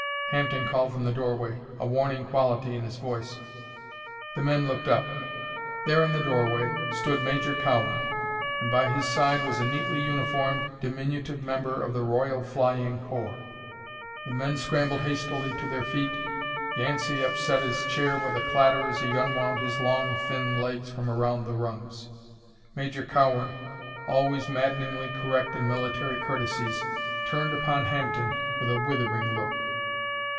Hampden called from the doorway, a warning quality in his voice. The men looked up. There in the doorway stood Major Cowan, and by his side was a neatly uniformed, diminutive member of the Royal Flying Corps. The men scrambled hastily to their feet. Yancey upset his chair with a clatter as he unwound his long, thin legs from around the rungs. Major Cowan, always maddeningly correct in military courtesies, turned upon Hampden with a withering look.